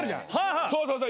そうそうそう。